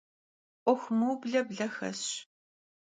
'uexu mıuble ble xesş.